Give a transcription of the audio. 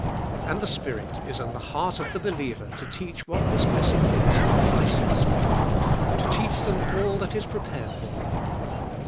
And the Spirit is in the heart of the believer to teach what this blessing is that Christ has for them; to teach them all that is prepared for them.